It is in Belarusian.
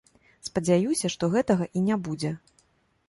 Спадзяюся, што гэтага і не будзе.